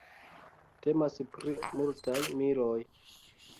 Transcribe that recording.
Temas pri multaj miloj.